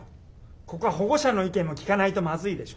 ここは保護者の意見も聞かないとまずいでしょ。